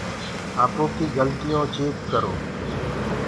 آپو ڪيٚ گلتٚيونٚ چيڪ ڪرو۔